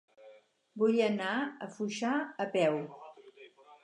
Vull anar a Foixà a peu.